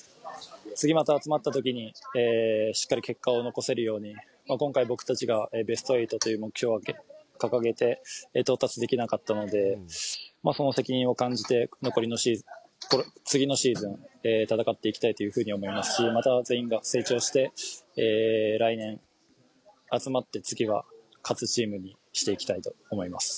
次また集まったときにしっかり結果を残せるように今回僕たちがベスト８という目標を掲げて到達できなかったのでその責任を感じて、次のシーズンを戦っていきたいと思いますし、また全員が成長して来年、集まって、次は勝つチームにしていきたいと思います。